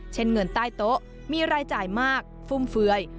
เงินใต้โต๊ะมีรายจ่ายมากฟุ่มเฟือย